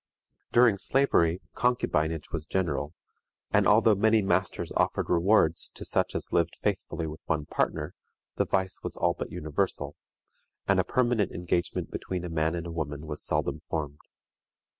During slavery, concubinage was general; and although many masters offered rewards to such as lived faithfully with one partner, the vice was all but universal, and a permanent engagement between a man and woman was seldom formed.